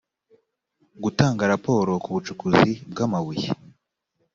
gutanga raporo ku bucukuzi bw amabuye